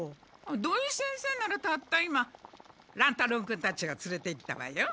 土井先生ならたった今乱太郎君たちがつれていったわよ。